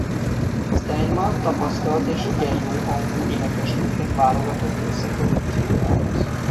Steinman tapasztalt és igen jó hangú énekesnőket válogatott össze produkciójához.